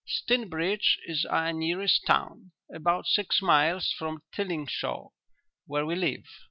"Stinbridge is our nearest town about six miles from Tilling Shaw, where we live.